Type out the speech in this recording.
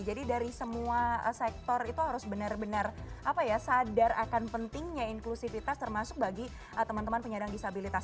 jadi dari semua sektor itu harus benar benar sadar akan pentingnya inklusivitas termasuk bagi teman teman penyandang disabilitas